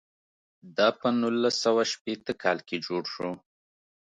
دا په نولس سوه شپېته کال کې جوړ شو.